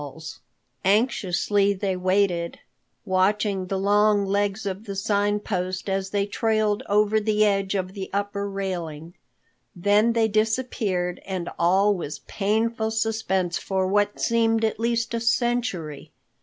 Anxiously they waited, watching the long legs of the Sign Post as they trailed over the edge of the upper railing. Then they disappeared and all was painful suspense for what seemed at least a century.